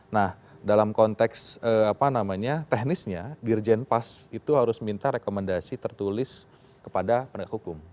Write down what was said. nah dalam konteks teknisnya dirjen pas itu harus minta rekomendasi tertulis kepada pendek hukum